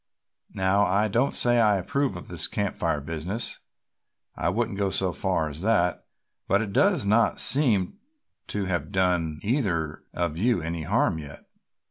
Now I don't say I approve of this Camp Fire business, I won't go so far as that, but it does not seem to have done either of you any harm yet."